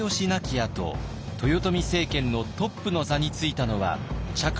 あと豊臣政権のトップの座についたのは嫡男の秀頼。